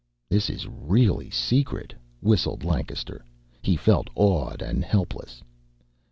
"This is really secret!" whistled Lancaster. He felt awed and helpless.